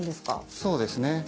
そうですね。